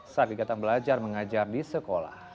saat kegiatan belajar mengajar di sekolah